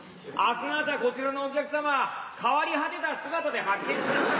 明日の朝こちらのお客様変わり果てた姿で発見される。